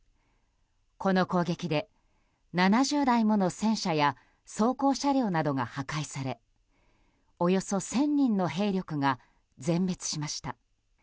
この攻撃で７０台もの戦車や装甲車両などが破壊されおよそ１０００人の兵力が全滅しました。